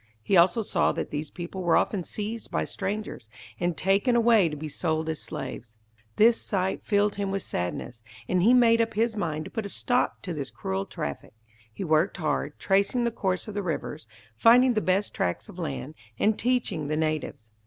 He also saw that these people were often seized by strangers, and taken away to be sold as slaves. This sight filled him with sadness, and he made up his mind to put a stop to this cruel traffic. He worked hard, tracing the courses of the rivers, finding the best tracts of land, and teaching the natives.